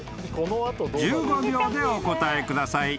１５秒でお答えください］